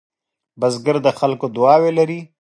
بزګر د خلکو دعاوې لري